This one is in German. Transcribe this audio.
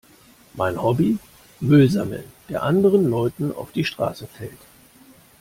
Mein Hobby? Müll sammeln, der anderen Leuten auf die Straße fällt.